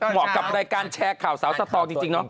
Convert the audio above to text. กับรายการแชร์ข่าวสาวสตองจริงเนาะ